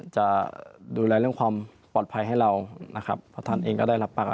จะดูแลเรื่องความปลอดภัยให้เรานะครับเพราะท่านเองก็ได้รับปาก